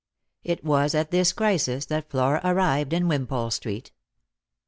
It was at this crisis that Flora arrived in Wimpole street.